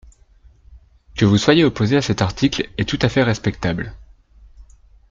Que vous soyez opposé à cet article est tout à fait respectable.